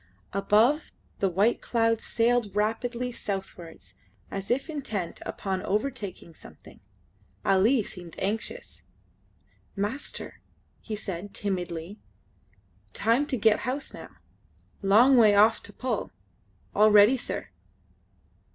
Above, the white clouds sailed rapidly southwards as if intent upon overtaking something. Ali seemed anxious. "Master," he said timidly, "time to get house now. Long way off to pull. All ready, sir."